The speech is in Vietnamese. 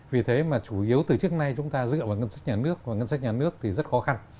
vì thế mà chủ yếu từ trước nay chúng ta dựa vào ngân sách nhà nước và ngân sách nhà nước thì rất khó khăn